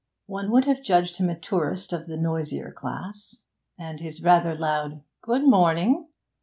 One would have judged him a tourist of the noisier class, and his rather loud 'Good morning!'